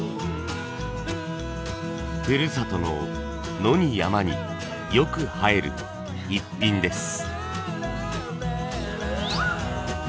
ふるさとの野に山によく映えるイッピンです。